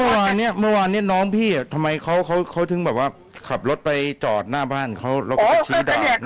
วันนี้น้องพี่ทำไมเขาถึงแบบว่าขับรถไปจอดหน้าบ้านเขาก็ไปชี้ดาวน์